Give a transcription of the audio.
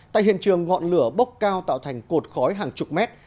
tại hiện trường ngọn lửa bốc cao tạo thành cột khói hàng chục mét